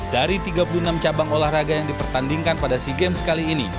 dari tiga puluh enam cabang olahraga yang dipertandingkan pada sea games kali ini